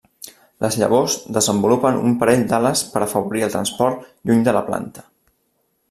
Les llavors desenvolupen un parell d'ales per afavorir el transport lluny de la planta.